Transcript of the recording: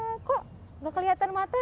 wah kok gak kelihatan mata aja